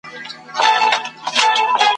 او ضمناً د ځنګله ,